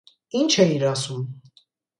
- Ի՞նչ էիր ասում: